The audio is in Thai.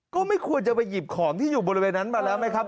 ก็ไม่ควรจะไปหยิบของที่อยู่บริเวณนั้นมาแล้วไหมครับ